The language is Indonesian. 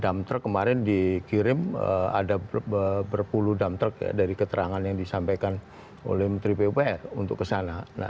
dump truck kemarin dikirim ada berpuluh dump truck dari keterangan yang disampaikan oleh menteri pupr untuk kesana